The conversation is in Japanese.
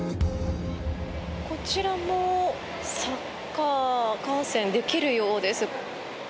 こちらもサッカー観戦できるようです。